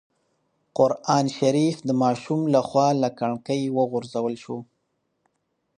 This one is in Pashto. قرانشریف د ماشوم له خوا له کړکۍ وغورځول شو.